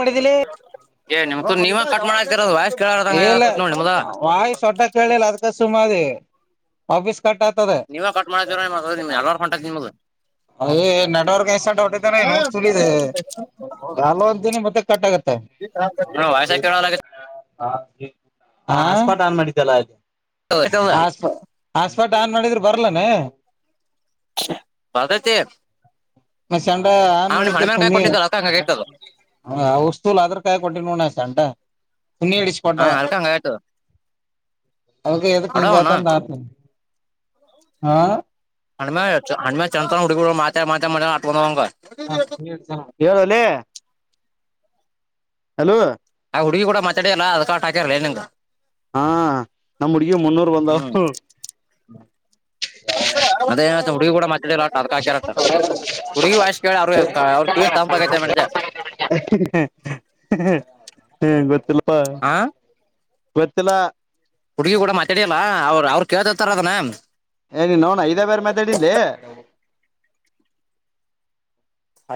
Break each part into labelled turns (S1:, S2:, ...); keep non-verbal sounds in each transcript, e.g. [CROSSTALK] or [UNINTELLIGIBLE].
S1: ಮಾಡಿದಿಲಿ
S2: ಏ [UNINTELLIGIBLE] ನೀವು ಕಟ್ ಮಾಡ್ತಿರಲ್ ವಾಯ್ಸ್ ಕೇಳಾರ್ದಂಗ
S1: ಏ ಇಲ್ಲ
S2: ಆಗತ್ತ ನೋಡಿ ನಿಮ್ದ
S1: ವಾಯಿ ಶಬ್ದ ಕೇಳಿಲ್ಲ ಅದ್ಕ ಸು [UNINTELLIGIBLE] ಆಫೀಸ್
S2: ನೀವೆ ಕಟ್ ಮಾಡಿದಿರೋ ಏನೊ [UNINTELLIGIBLE] ನಿಮ್ ಎಲ್ಲಾರು ಹೊಂಟಾರ್ ನಿಮಗು
S1: ಅಯೇ ನೆಟ್ವರ್ಕ್ ಎ ಸೆಟ್ಟೋಬಿಟ್ಟಿತೇನೋ ಏನೊ ಚೂಲಿದೆ ಯಲ್ಲೊ [UNINTELLIGIBLE] ಮತ್ತೆ ಕಟ್ ಆಗತ್
S2: ಅಣ ವಾಯ್ಸ್ ಹಾಕ್ ಅಣ [UNINTELLIGIBLE]
S1: ಅ ಹಾ ಹಾಟ್ಸ್ಪಾಟ್ ಆನ್ ಮಾಡಿದ್ಯಲ
S2: ಕೇಳಲ್ಲ
S1: ಹಾಸ್ಪ ಹಾಸ್ಪ ಪಟ್ ಆನ್ ಮಾಡಿದ್ರು ಬರ್ಲನೇ
S2: ಬರ್ತತಿ
S1: ಹಸ್ ಚಂದಾ ಆನ್ ಮಾಡಿದ್ದೆ
S2: ಕೊಟ್ಟಿದ್ದಲ್ಲ ಅದ್ಕ ಹಂಗ ಆಗೈತದು
S1: [UNINTELLIGIBLE] ವಸ್ತೂಲ್ ಅದ್ರ ಕಾಯ ಕೊಂಟಿ ನೋಣ ನಾ ಶಂಟ
S2: ಹಾ ಅಲ್ತಂಗ್ ಆಯ್ತು
S1: ಅವ್ಕೆ ಏದುಕ್ಕೆ ಹಿಂಗಾತ್ [UNINTELLIGIBLE] ಆ
S2: ಹಣ್ಮ್ಯಾಚ್ ಹಣ್ ಮ್ಯಾಚ್ ಅಂತ ಹುಡುಗುರು ಮಾತೆ ಮಾತೆ ಮನೆ ಆಟ್ [UNINTELLIGIBLE]
S1: ಏ ಅಣ್ಣೆ ಹಲೋ
S2: ಆ ಹುಡುಗಿ ಕುಡಾ ಮಾತಾಡಿರ್ ಅಲಾ ಅದ್ಕ ಕಟ್ [UNINTELLIGIBLE] ಲೇ ನಿಮ್ಗ
S1: ಹಾ ನಮ್ ಹುಡ್ಗಿಗ್ ಮುನ್ನೂರು ಬಂದವು
S2: ಹ್ಮ್
S1: ಉಹ್ಹ್
S2: [UNINTELLIGIBLE] ಅದೇ ಹೇಳ್ತವ್ ಉಡ್ಗಿ ಕೂಡ ಮಾತ್ [UNINTELLIGIBLE] ಅದ್ಕ ಹಾಕ್ಯರಂತ ಹುಡುಗಿ ವಾಯ್ಸ್ ಕೇಳ್ ಅವ್ರು ಹೇಳಿರ್ ತಾ ಅವ್ರ್ ಕಿವಿ ತಂಪಗೈತೆ ಮಾಡಿದ್ದೆ
S1: ಹ್ಮ್ ಗೊತ್ತಿಲ್ ಪ್ಪ ಗೊತ್ತಿಲ್ಲಾ
S2: ಹುಡುಗಿ ಕೂಡ ಮಾತಾಡಿಯಲ್ಲ ಅವ್ರು ಅವ್ರು ಕೇಳ್ತಿರ್ತಾರ ಅದನ್ನ
S1: ಏ ನಿನ್ನೌ ನ ಇದೇ ಬೇರೆ ಮಾತಾಡಿನ್ ಲೇ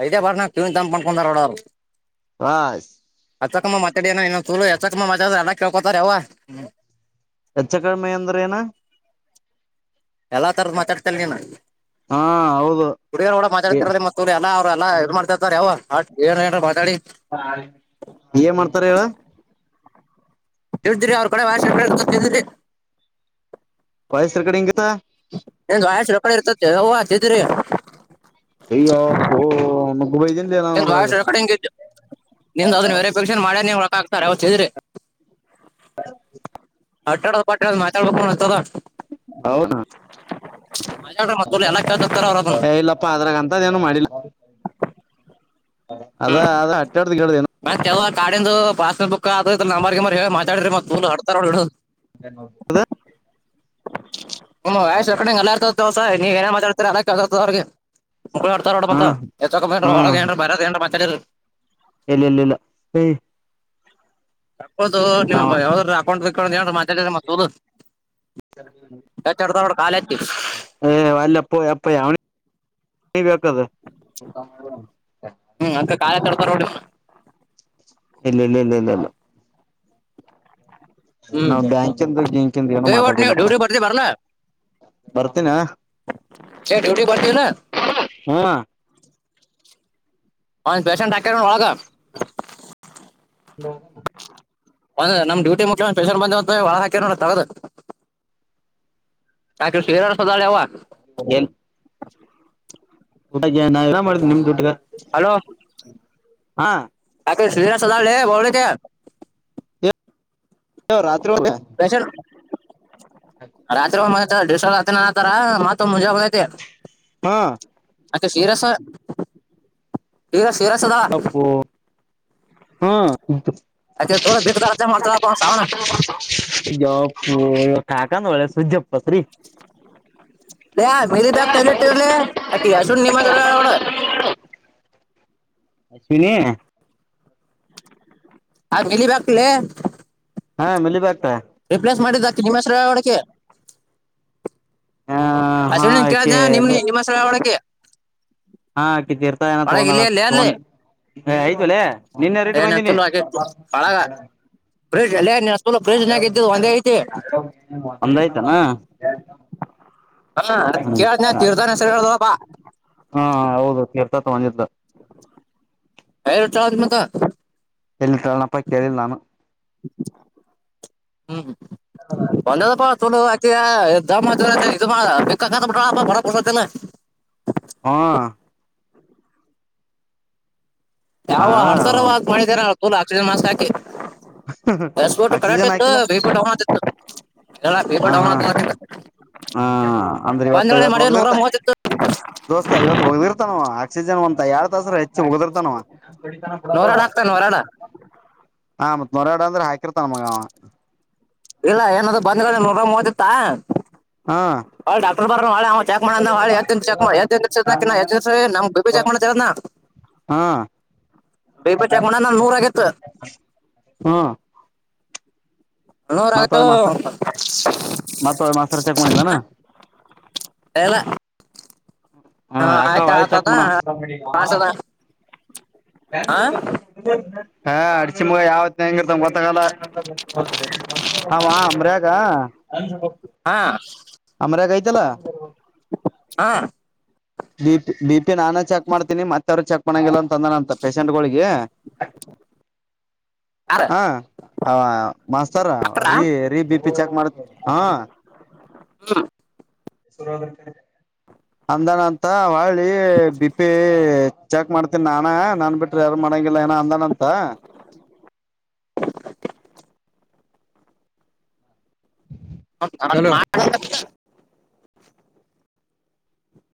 S2: ಐಡಿಯಾ ಬರ್ನಾಕ್ ಕಿವಿ ತಂಪ್ಮಾಡ್ಕೊಂಡಾರ್ ನೋಡ ಅವ್ರು
S1: ವಾಸ್
S2: ಅಚ್ಚಕಮ್ಮ ಮಾತಾಡಿಯನ ಏನ ಚೂಲು [UNINTELLIGIBLE] ಕೇಳ್ಕೋತಾರೆ ಯವ್ವಾ
S1: ಹೆಚ್ಚ ಕಡಿಮೆ ಅಂದ್ರ ಏನ
S2: ಎಲ್ಲಾ ತರದ ಮಾತಾಡ್ತರ ನೀನ್
S1: ಹಾ ಹೌದು
S2: ಕುಡಿರೋರು ಕೂಡ ಮಾತಾಡ್ತಿರ ಮತ್ತ ಎಲ್ಲ ಅವರು ಎಲ್ಲಾ ಇದು ಮಾಡ್ತರ್ತಾರೆ ಅವರು ಮತ್ ಬೇರೆ ಏನಾರ ಮಾತಾಡಿ
S1: ಏನ್ ಮಾಡ್ತಾರ ಹೇಳ
S2: ಇಡ್ದಿರಿ ಅವ್ರ ಕಡೆ ಮಾಡತಿದ್ರಿ
S1: ವಯಸ್ಸರು ಕಡೆ ಇಂಗತ್ತಾ
S2: ಏನ್ ಲಾಯರ್ ಕಡೆ ಇರ್ತತಿ ಹೇ ಯವ್ವತಿದ್ರಿ
S1: ಆಯೋ ಯಪ್ಪೋ
S2: ಬಹಳಷ್ಟು ಕಡೆಂಗು ಸಿಗಕದೆಂಗ್ ಅದನ್ ಬೇರೆ ಫಂಕ್ಷನ್ ನೀ ಒಳಕ ಆಕ್ತಾರೆ ಅಟ್ಟಾಡ ಪಟ್ಟಾಡ ಮಾತಾಡ್ಬೇಕುತದ
S1: ಹೌನಾ
S2: ಮಾತಾಡ್ರ ಮತ್ತ ತುಳು ಎಲ್ಲ ಕೇಳ್ತಿರ್ತಾರ ಅವ್ರ ಅದನ್ನ
S1: ಇಲ್ಲಪ್ಪ ಅದ್ರಾಗಂತ ಏನು ಮಾಡಿಲ್ಲ ಅದ ಅದ ಅಟ್ಟಾಡ್ದ ಹೇಳ್ದೇನು
S2: ಕಾಡೆಂದು ಅದು ಇದು ನಂಬಾರ್ ಗ ಮಾತಾಡ್ರಿಮ ಹಡ್ತಾರು ಹ್ಮ ವಯಸ್ ಕಡೆಲ್ಲಾರ್ತಸ ನೀವ ಏನ್ ಮಾತಾತರ ಅವ್ರಿಗೆ ಅಡತ್ರೆ ನೋಡು
S1: ಹಾ
S2: ಬಂತ ಬರೆದು ಹೋಗಿದೇನು ತಾರೆಡು
S1: ಎಲ್ಲ ಇಲ್ಲ ಇಲ್ಲ
S2: ಹ ಒಂದು
S1: ನಾವ
S2: ಯಾವದ್ರಯುವೆ ಅಕೌಂಟ್ ಏನಾದ್ರು ಮಾತಾಡಿಯ
S1: [UNINTELLIGIBLE]
S2: ಕಾಲಕ್ಕೆ
S1: ಹೇ ವಲಪ್ಪೋ ಯಪ್ಪೋ ಕಾದು
S2: ಹ್ಮ್ ಅದ್ಕ ಕಾಲ್ ಎತ್ತಿ ಆಡ್ತಾರ ನೋಡಿ
S1: ಇಲ್ಲ ಇಲ್ಲ ಇಲ್ಲ ಇಲ್ಲ ಇಲ್ಲ
S2: ಹ್ಮ್
S1: ನಾವ ಬ್ಯಾಂಕಂದು ಗಿಂಕಿಂದ ಏನ
S2: ಏ ಒಟ್ ನೀವ್
S1: ಮಾತಾಡಿಲ್ಲಪ್ಪ
S2: ಡ್ಯೂಟಿ ಬರ್ತಿ ಬರ್ಲ
S1: ಬರ್ತೀನ
S2: ಏ ಡ್ಯೂಟಿ ಬರ್ತಿಲ್ಲ
S1: ಹಾ
S2: ಒಂದ್ ಪೇಶಂಟ್ ಹಾಕನಾ ಒಳಗ
S1: [UNINTELLIGIBLE]
S2: ಒಂದ ನಮ್ ಡ್ಯೂಟಿ ಮುಖ್ಯ ಸ್ಪೆಷಲ್ ಬಂದಂತ ಒಳ್ಳಗೆ ಹಾಕಿನಾ ನೋಡು ತಗೆದು
S1: ಏನ್
S2: ಹ
S1: ಊಟ ಮಾಡತನಿ ನಿಮ್ದ ಊಟ
S2: ಹಲೋ
S1: ಹಾ
S2: ಸದ ಬ
S1: ಯ ರಾತ್ರಿ ಹೊದ
S2: ಪೇಷಂಟ್ ರಾತ್ರಿ ಮ ಡ್ರಸಲ್ಲನೆತರ ಮತ್ತ ಮುಜೆಬಯಐತೆ
S1: ಹಾ
S2: ಅೆ ಶೀರಸ ಶರಸ್ ತೇರ ಸದ
S1: ಯಪ್ಪೋ
S2: ಅೆ ತ ದೇಕದ ಹತ ಹ ತ ಪಸಾವಣ
S1: ಫು ಕಾಕಾ ಒಳ್ಳೆ ಶುದಜ
S2: ಯ ಮೇ ಚ ಆಕ ಅಷ್ಟು ನಿಮತ್ರ
S1: ಶನ
S2: ಆ ಮಲ ಬಾಗಲೆ
S1: ಹಾ ಮಲ ಬ
S2: ರಿಪ್ಲೇಸ್ ಮಾಡಿದ ತಿಿಮಷರ ಒಡಕ್ಕೆ
S1: ಹ
S2: ಅಸ
S1: ಹಾ
S2: ನೀನ್ ಕೇಳಿದ್ದ
S1: ಆಕೆ
S2: ನಿಮ್ ನಿಮ್ಮ ಸ ಒಳಕ್ಕೆ
S1: ಹಾ ಕಿಿದ್ದ ಇರ್ತಾ ಏನ
S2: ಒಳಗ
S1: ತಗೊಂಡಳ
S2: ಇಲ್ಲೇ ಇಲ್ಲೇ ಅಲ್ಲಿ
S1: ತೊಂಡ ಆಯ್ತವಳೆ ನಿನ್ ಯಾರ ಇಟ್ಟ
S2: ಏನೇನ್
S1: ಬಂದೀನಿ
S2: ತುಳು ಆಕೆ ಒಳಗ ಫ್ರಿಜ್ ಅಲ್ಲೇ ನಿನ್ನ ಸ್ಕೂಲ್ ಫ್ರಿಜ್ನಾಗ ಇದ್ದಿದ್ ಒಂದೇ ಐತಿ
S1: ಒಂದ ಆಯ್ತಾನ ಯ
S2: ಹಾ ಕೇಳ ತೀರ್ತಾನ ಹೆಸರಿ ಹೇಳ್ದಪ್ಪಾ
S1: ಸಮ
S2: ಟಾವದು ಮತ್ತ
S1: ಎಲ್ಲಿಟ್ಟಾಳನಪ್ಪ ಕೇಳಿಲ್ಲ ನಾನು
S2: ಹ್ಮ್ ಹ್ಮ ಒಂದದ ಪ ಚಲ ಎ ದ ಬೇಕಾಗ ಭಾ ಪಸ ತಲ್ಲ
S1: ಹಾ ಹಾ
S2: ಯಾವ ಹಡ್ಸರ ಮಾಡಿದರ ರಾಕ್ಷ ಮಾಸ ಆಕೆ
S1: ಆಕ್ಸಿಜನ್ ಹಾಕಿಲ್ಲ
S2: ಬಿಪಿ ಡೌನ್ ಆತಿತ್ತು ಎಲ್ಲ ಬಿಪಿ
S1: ಹ
S2: ಡೌನ್
S1: ಹಾ
S2: ಆತಿತ್ತು
S1: ಹ ಅಂದ್ರೆ ಇವತ್ತು
S2: ಬಂದ್ಗಳೇ
S1: ಇವತ್
S2: ಮಾಡಿ ನೂರ
S1: ಒ್ದಿರ್ತ
S2: ಮೂವತ್ತಿತ್ತು
S1: ದೋಸ್ತ ಇವತ್ತು ಒ್ದಿರ್ತಾನ ಆಕ್ಸಿಜನ್ ಒ ಎರಡ್ ತಾಸ್ರ ಉಗ್ದಿರ್ತಾನವ
S2: ನೋರಾಡ ಆಗ್ತಾ ನೋರಾಡ
S1: ಹಾ ಮತ್ ನೋರ ಎಡ ಅಂದ್ರೆ ಹಾಕಿರ್ತ ನಮಗ
S2: ಇಲ್ಲ ಏನಾದ ಬಂದ್ ನೂರ ಹದತ್ತಾ
S1: ಹಾ
S2: ಹಳೆ ಡಾಕ್ಟರ್ ಬಾರಾಳೆ ಚೆಕ್ ಮಾಡಾಳೆ ಚಕ್ ಮಾಡ ನಮ ಬೇಬಿ ಚೆಕ್ ಮಾಡ
S1: ಹಾ
S2: ಬೇಬಿ ಚೆಕ್ ಮಾಡ ನೂರ ಆಗಿತ್ತು ನೂರ
S1: ಮಾತ
S2: ಆಗಿತ್ತು
S1: ಮಾತ ಮಾಸ್ತರ್ ಚೆಕ್ ಮಾಡಿಂದಾನ
S2: ಹಾ? ಇಲ್ಲ
S1: ಹಾ ಯಾಕ
S2: ಆಯ್ತಾ
S1: ವಾಯ ಚಕ್
S2: ಆತದ
S1: ಮಣ
S2: ಮಾಡ್ಸದ ಹಾ
S1: ಹ ಅಡಚಿ ಮುಗ ಯಾವತ್ಿನ ಹೆಂಗಿರ್ತ ಗೊತ್ತಗಾಲ ನ ಅಮ್ರಾಗ
S2: ಹಾ
S1: ಅಂಬರಾಗ ಐ ಚಲ್ಲ
S2: ಹಾ
S1: ನೀಪ್ ನೀಪ್ ನಾನು ಚಕ್ ಮಾಡತೀನಿ ಮತ್ತ ಅವ್ ಚೆಕ್ ಮಗೆ ತಂದ ಅಂತ ಪೇಶೆಂಟ್ಗಳಿಗೆ
S2: ಯಾರ
S1: ಹ ಮಾಸ್ತರ್
S2: ಡಾಕ್ಟರಾ?
S1: ರೀೀ ಬಿಪಿ ಚೆಕ್ ಮಾಡ ಹ
S2: ಹಾ
S1: ಶು ಅಂದನ ಅಂತ ಹಳಿ ಬಿಪಿ ಚಾಕ್ ಮಾಡ್ತ ನಾನಾ ನನ್ ಬಿಟ್ರಿ ಯಾರ ಮಣಂಗಿಲ್ಲ ಏನ ಅಂದನ ಅಂತ ಹಲೋ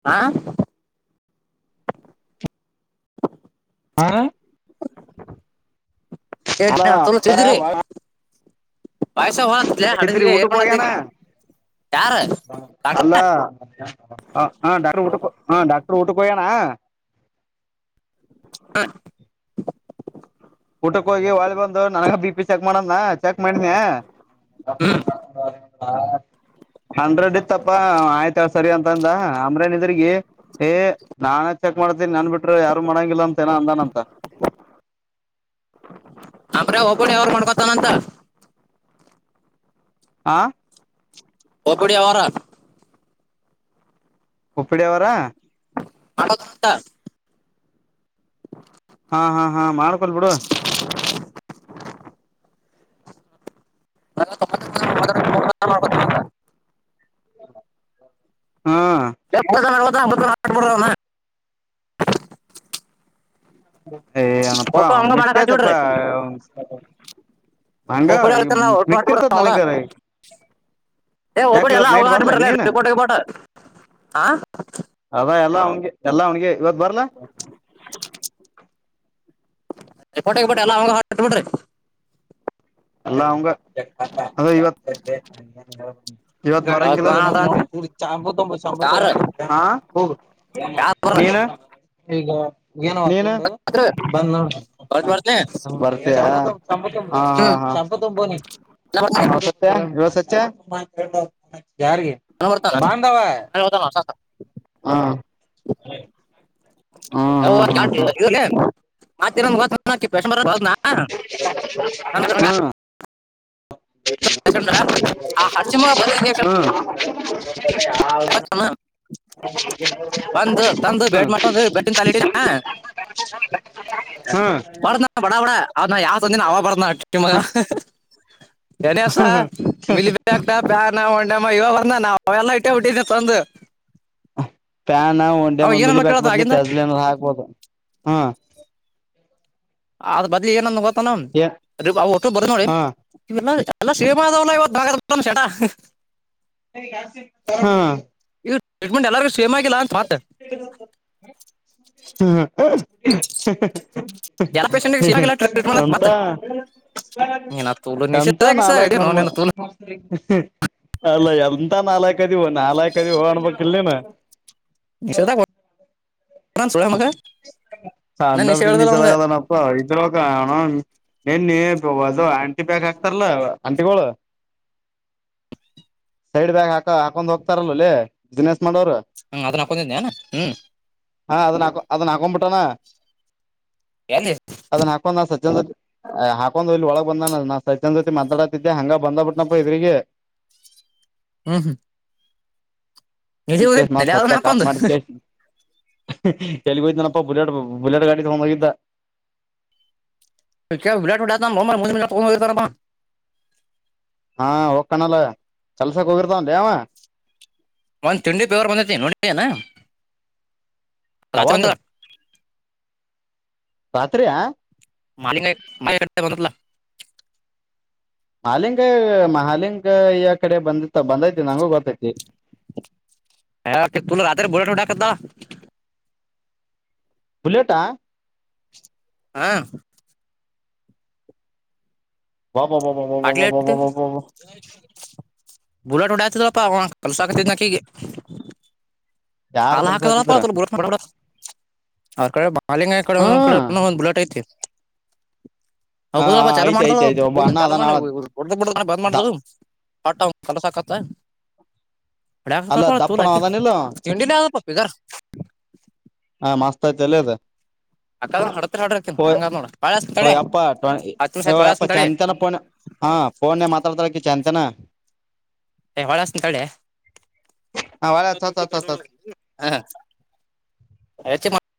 S2: ಆ
S1: ಹ ಹ
S2: ಏನ್ ತುಳು ತಿದ್ರಿ ಪಾಯಸ ಹೊಳತ್ಲೆ
S1: ಇದ್ರಿ
S2: ಹಡಸಿಗೆ ಏರ್
S1: ಊಟಕ್ಕೆ ಹೋಗ್ಯಣ
S2: ಮಾಡತ್ತೀನಿ ಯಾರ ಡಾಕ್ಟರ್
S1: ಅಲ್ಲ ಹ ಾಕ್್ರ ಊಟ ಹ ಾಕ್ ರ್ರೂಟಕ್ಕೆ ಹನ
S2: ಹಾ
S1: ಊಟಕ್ಕೆ ಹೋಗಿ ವಾಳೆ ಬಂದ ನನ ಬಿ ಪಿ ಚೆಕ್ ಮಾಡದ್ನ ಚೆಕ್ ಮಾಡನ
S2: ಹ್ಮ್
S1: ಹ ಹಂಡ್ರೆಡ್ ಇತ್ಪ್ಪಾ ಆಯ್ತ ಸರಿ ಅಂತ ಅಂದ ಅಮ್ರೇನಿದ್ರಗಿ ಏ ನಾನ ಚೆಕ್ ಮಾಡ್ತೀನಿ ನನ್ ಬಿಟರು ಯಾರು ಮಾಡಂಗಿಲ್ಲ ಅಂತ ಏನ ಅಂದನ ಅಂತ
S2: ಅಮ್ರೆ ಒಬ್ಬಳ ಯಾವ್ರ ಮಾಡ್ಕೊತಾನಂತ
S1: ಆ
S2: ಹೊಬಡ ಅವಾರಾ
S1: ಹಪ್ಪಡಿಯ ಅವರಾ
S2: ಹ
S1: ಹಾ ಹಾ ಹಾ ಮಾಡ್ಕೊಲ್ಬಿಡು
S2: ನ ಪಾಕತ
S1: ಹ ಹ್ಮ
S2: ಎಷ್ಟ ಹ ಹಡ
S1: ಹ್ಮ ಏಯ ಅನಪ್ಪ
S2: ಒಬ್ಬಡಿ ಹಂಗ ಮಾಡಕ್
S1: ಮಿಕಾಾದಪ್ಪ
S2: ಹಚ್ಬಿಡ್ರಿ ಹಓಪಿಡಿ ಹತ ಟ ಆಬಿಡ ಅವಳ ಏ
S1: ಯಾಕ
S2: ಹಓಪಿಡಿ ಎಲ್ಲ
S1: ಇವತ್
S2: ಅವಾಗ
S1: ನೈಟ್ ಬರ್ಲ
S2: ಆಬಿಡ್ರ
S1: ನೀನ್
S2: ರಿಪೋಟ್ಬಟ್ಟ ಹ
S1: ಅದ ಎಲ್ಲಾ ಅವನಿಗೆ ಎಲ್ಲಾ ಅವನಿಗೆ ಇವತ್ ಬರ್ಲ
S2: ಪೋಟಗ ಬಿ್ರಿ ಅಲ್ಲ ಅವಂಗ ಹೊಟ್ ಬಿಿಡ್ರಿ
S1: ಎಲ್ಲಾ ಅವಂಗ ವಂಬ
S2: ಯಾವಾಗ ಬಾಣ ಅದ ಅಂತ ಯಾರು
S1: ಹ ಹ
S2: ಯಾರು ಬರ್ರ
S1: ನೀನು ಈಗ.. [INAUDIBLE] ಏನೂ ಬಂದು ನೋಡು
S2: ಬರ್ತ್ ಬರ್ತೀನಿ
S1: ಬಾಬರುತಿಯ ಹಾ,
S2: ಹ್ಮ್
S1: ಹಾ. [UNINTELLIGIBLE] ನಪತ್ತೊಂಬನೇ..
S2: ನಾ ಬರ್ತೀನಿ
S1: [UNINTELLIGIBLE] ಯವ, ಸಚ್ಚ, [UNINTELLIGIBLE] ಯಾರಿಗೆ,
S2: ನಾನು ಬರ್ತಾನ
S1: ಬಾಂಧವ.
S2: ನಾನು ಹೋತಾನ ಹೊಸ ಹೊಸ.
S1: [INAUDIBLE]
S2: [UNINTELLIGIBLE] [INAUDIBLE]
S1: ಹ್ಮ್ ಹ್ಮ್
S2: ಮತ್ತೆ, ನಮಗೆ, ಗೊತ್ತು? [INAUDIBLE] ಅಣ್ಣಾ, ಕಸ್ಟಮರ್, ಒಗಿದಿನ್ನಾ. [INAUDIBLE] [UNINTELLIGIBLE] [INAUDIBLE] ಆ, ಹರಸಿಂ, ಬಂದ. [INAUDIBLE]
S1: ಹ.. ಹಾ,
S2: ಬಂದು ತಂದು ಬ್ಯಾಟ್ ಮಾಡ್ಕೊಂಡು ಬ್ಯಾಟಿನ ತಾಲಿಟಿ
S1: ಹ್ಮ್ಮ್, ಹ್ಮ್. [INAUDIBLE]
S2: ಅವ, ನಾ, ಯಾವೊಂದಿನ! ಅವ ಬಾರನಾ ಅತ್ತಿಮಗ [UNINTELLIGIBLE] ಗಣೇಶ,
S1: ಹ್ಮ್ ಹ್ಮ್
S2: ಮಿಲಿ, ಬಾಯ್ಗಥ, ಬಾತಾ. [UNINTELLIGIBLE] ರೋಡಮ್ಮ, ಇವಾಗ ನಾವೆಲ್ಲಾ. [UNINTELLIGIBLE] ಹೇ, ಉಟ್ಟಾಇದೆ, ತಂದು. [INAUDIBLE]
S1: ಪ್ಯಾನ್, ಒಂಡೆ
S2: ಅವ
S1: ಮಿಲಿ
S2: ಏನನ್ನ
S1: ಬ್ಯಾಕ್!
S2: ಕೇಳೋದು
S1: ಬದ್ಲಿ
S2: ಆಗಿಂದ
S1: ಟಜಲ್ ಹಾಕ್ಬಹದು. [UNINTELLIGIBLE] ಹಾ... [INAUDIBLE]
S2: ಅದ, ಬದ್ಲಿ, ಏನಂದು ಗೊತ್ತ?
S1: ಏ
S2: [UNINTELLIGIBLE] ಅವನು, ಒಟ್ಟಗಿ ಬರೋ, ನೋಡಿ?
S1: ಹಾ
S2: [UNINTELLIGIBLE] [INAUDIBLE] ಅಲ್ಲ, ಶೇಮದಲ್ಲ ಇವತ್ತು ಭಾಗತ್ ಬತ್ ಸೈಟ್ಟ [UNINTELLIGIBLE]
S1: ಎರಡ ಸಿಮಧು, ಹಾ. [UNINTELLIGIBLE]
S2: ಇ, ಟ್ರೀಟ್ಮೆಂಟ್ ಹೇಳರ್ಗು.. [UNINTELLIGIBLE] ಶಿವಮಾಗಿಲ್ಲ, ಅಂತ ಇಲಾ ಮತ್ತು. [UNINTELLIGIBLE]
S1: ಮ್ಮ್.. [INAUDIBLE]
S2: ಎಲ್ಲ ಪೇಷಂಟ್ಗೆ
S1: ಮ್ಮ್,
S2: ಸೇಮ್ ಆಗಿಲ್ಲ ಟ್ರೀಟ್ಮೆಂಟ್ ಅಂತ
S1: ಎಂತ,
S2: ಮತ್ತೆ ನೀನ ತೂಲು
S1: ಎಂತ,
S2: ನಿಷೇಧಾಗ ಇಷೇಧಾಗ
S1: ನಾಲ್ಕು
S2: ಇದೇನು
S1: ನಾನುಮಗ
S2: ನಿನ್ನ ತೂಲು
S1: [UNINTELLIGIBLE] [INAUDIBLE] ಹ್ಮ.. [INAUDIBLE] ಅಲ್ಲ, ಎಂತ ನಾಲಾಯಕು, ಹದಿ ನಾಲ್ಕು ಹದಿ ಹೋಗಾಣ್.. [UNINTELLIGIBLE] ಇಲೆನಾ.. [INAUDIBLE]
S2: ನಿಷೇಧ, ಗೊತ್ತು.. [INAUDIBLE] ಕಣನ್, ಸುಳೇಮಗ. [INAUDIBLE] ನಾನು
S1: ಅಂದ, ಬಿಡಿ ನಿಜಾನಾ, ನಪ್ಪ ಇದ್ರ ಅನೋ.. [UNINTELLIGIBLE] ನ್ ಅ ಆಂಟಿ ಬ್ಯಾಗ್ ಹಾಕ್ತಾರಲ್ಲ ಆಂಟಿ ಸೈಡ್ ಬ್ಯಾಗ್ ಹಾಕ ಹಾಕೊಂಡ್ ಹೋಗ್ತಾರಲ್ಲ ಬಿನ
S2: ಹ್ಮ ಅದ ನ ಹಾಕೊೊಂಡನಿ ಹ್ಮ್
S1: ಾ ಕಪಟಾನ
S2: ಎಲ್ಲಿ
S1: ಅದನ್ನ ಹಾಕೊಂಡ ಸಜ್ಜಂದ ಹಾಕೊಂಡ್ ಇಲ್ಲಿ ಒಳಗ್ ಬಂದನ ನಾ ಸಜ್ಜನ್ ಜ್ಯೋತಿ ಮಾತಾಡತಿದ್ದೆ ಹಂಗ ಬಂದ ಬಿಟ್ಟನಪ್ಪ ಇದ್ರಿಗೆ
S2: ಹ್ಮ್ ಹ್ಮ್ ನಿಧಿ ಹೋಗಿದ್ನಲೆ
S1: ಸಚ್ಚ
S2: ಅದನ್ನ
S1: ಕಾಟ್
S2: ಹಾಕೊಂಡು
S1: ಮಾಡ ಕೆ ಕೆಲ್ಲಿಗೆ ಹೋಯ್ತನಪ್ಪ ಬುಲೆಟ್ ಬುಲೆಟ್ ಗಾಡಿ ತಗೊಂಡೋಗಿದ್ದ
S2: ವಿರಾಟ್ಡ ಮೊಹಮ್ಮದ ಮಫೋ
S1: ಹಾ ಹೋಗ ಕಣಲ್ಲ ಕೆಲ್ಸಕ್ ಹೋಗಿರ್ತ ಯಾವ
S2: ಒಂದ್ ತಿಂಡಿ ಪೇವರ್ ಬಂದೈತಿನಿ ನೋಡಿದೇನ ಲಚಮಂದ
S1: ಪಾತ್ರರಿಯಾ
S2: ಮಾ ಮಾ ಕ ಬಲ
S1: ಮಹಾಲಿಂಗ ಮಹಾಲಿಂಗ ಯ ಕಡೆ ಬಂದ ಬಂದೈತಿ ನಂಗೂ ಗೊತ್ತೈತಿ
S2: ಹ ತುಲ ರತ್ರಿ ಬುಲಟ ಟಾಕದ
S1: ಬುಲೆಟಾ
S2: ಹಾ ಪಾಟ್ಲೆಟ
S1: ಒಬ್ಬಬ್ಬಬ್ಬಬ್ಬಬ್ಬಬ್ಬಬ್ಬಬ್ಬ
S2: ಬುಲೆಟ್ ಉಡತಪ್ಪ ಕೆಲ್ಸ ಆಕತಿದನಾ ಕೀಗೆ
S1: ಯಾರ್
S2: ಹಲ್ಲ ಹಾಕ ಪ
S1: ಕಲ್ಸಾತಿದ್ರ
S2: ಬ ಅವ್ರ ಕಡೆ ಮಾಲಿಂಗಾಯ ಕಡೆ
S1: ಹಾ
S2: ಒಂದಂದು ಕಡೆ ಒಂದು ಬುಲಟ್ ಐತಿ
S1: ಹಾ ಆಯ್ತ ಆಯ್ತ ಆಯ್ತ ಒಬ ಅ
S2: ಚಲ ಮಾಡಡ್ದ ಬಿಡ ಬಂದ್ ಮಾಡ್ದವು ಹಟ ಕಲಸಕತ್ತ
S1: ಅಲ್ಲ
S2: ಮ
S1: ದಪ್ಪಣ
S2: ಆಾಕ
S1: ಅದನಿಲ್ಲ
S2: ತಿಂಡಿನ ಬದರ್
S1: ಮಾಾಸ್ತಾ ಚಲದ
S2: ಅಕ್ಕ ಹಡತ್ರ ಹಡ್ರಕಿನ
S1: ಹ
S2: ಹಂಗ ನೋಡ ಬಾಳ ತಡೆ
S1: ಅಪ್ಪ
S2: ಹತ್ತು ನಿಮಿಷ
S1: ್
S2: ಆಯ್ತು ಹೊಳ್ಳಿ
S1: ಅಪ್ಪ
S2: ಹಚ್ತೀನಿ ತಡಿ
S1: ಚಂತನ ಪೋಣ ಹಾ ಪೋಣೆ ಮಾತಾಡ್ತಾಳ ಚಂದ ತ
S2: ಹೊಳಷ್ಟ ಕಡೆ
S1: ಹ ಒಳ್ಳೆ ಹತ್ ಹತ್ ಹತ್ ಹತ್
S2: ಹ ಅೆ ಮಾಡ